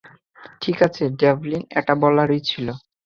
ঠিক আছে, ডেভলিন, এটাই বলার ছিল।